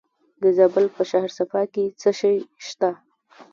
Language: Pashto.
د زابل په شهر صفا کې څه شی شته؟